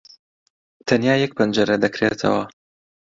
تەنیا یەک پەنجەرە دەکرێتەوە.